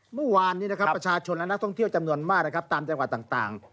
เมื่อวานประชาชนและนักท่องเที่ยวจำนวนมากตามจังหวะต่าง